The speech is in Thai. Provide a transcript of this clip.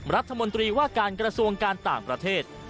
รัฐมนตรีว่าการกระทรวงการต่างประเทศ